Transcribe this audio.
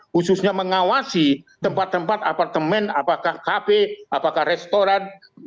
khususnya mengawasi tempat tempat apartemen apakah kafe apakah restoran